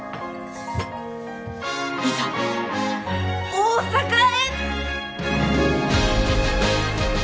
いざ大阪へ！